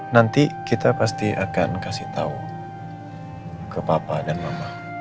nanti kita pasti akan kasih tahu ke papa dan mama